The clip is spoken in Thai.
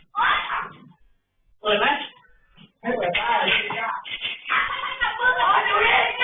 ไปไหนพูดหลังเขาพูดเหลือ